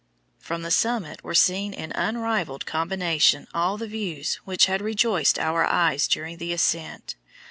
From the summit were seen in unrivalled combination all the views which had rejoiced our eyes during the ascent.